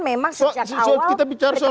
memang sejak awal